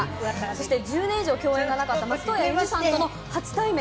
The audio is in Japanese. そして１０年以上共演がなかった松任谷由実さんとの初対面。